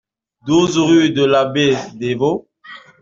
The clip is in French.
douze rue de l'Abbé Devaux